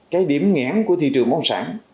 cái điểm ngãn của thị trường bắt nộp sản